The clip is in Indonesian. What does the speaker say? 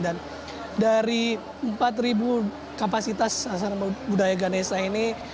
dan dari empat kapasitas asal budaya ganesa ini